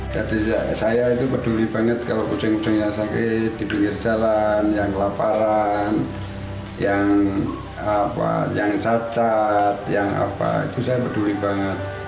jadi saya itu peduli banget kalau kucing kucing yang sakit di dunia jalan yang laparan yang cacat itu saya peduli banget